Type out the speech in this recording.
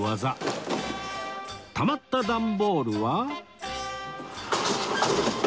たまった段ボールは